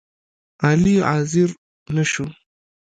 علي حاضر نشو